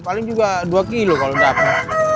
paling juga dua kilo kalau dapat